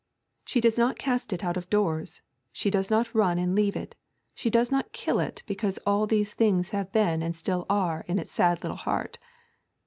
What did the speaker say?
She does not cast it out of doors, she does not run and leave it, she does not kill it because all these things have been and still are in its sad little heart.